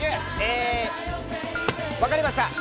分かりました！